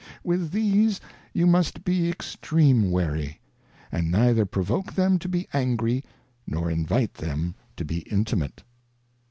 With these you must be extreme loary, and neither provoke them to be angry, nor invite them to be Intimate.